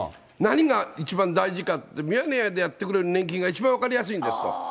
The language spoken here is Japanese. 何が一番大事か、ミヤネ屋でやってくれる年金が一番分かりやすいんですと。